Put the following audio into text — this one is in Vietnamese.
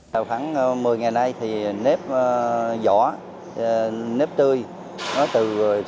tào thẳng một mươi ngày nay thì nếp giỏ nếp tươi nó từ sáu sáu mươi một